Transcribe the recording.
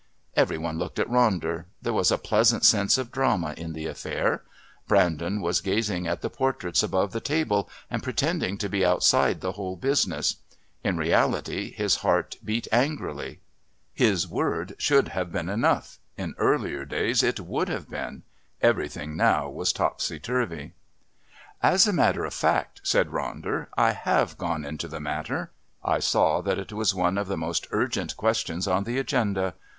Every one looked at Ronder. There was a pleasant sense of drama in the affair. Brandon was gazing at the portraits above the table and pretending to be outside the whole business; in reality, his heart beat angrily. His word should have been enough, in earlier days would have been. Everything now was topsy turvy. "As a matter of fact," said Ronder, "I have gone into the matter. I saw that it was one of the most urgent questions on the Agenda.